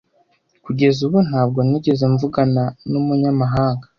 Kugeza ubu, ntabwo nigeze mvugana numunyamahanga.